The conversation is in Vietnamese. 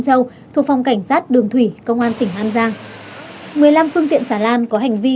châu thuộc phòng cảnh sát đường thủy công an tỉnh an giang một mươi năm phương tiện xà lan có hành vi